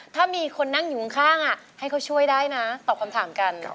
ถ้ามีคนนั่งอยู่ข้างให้เขาช่วยได้นะตอบคำถามกัน